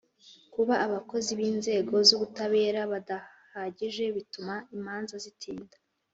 Kuba abakozi b inzego z ubutabera badahagije bituma imanza zitinda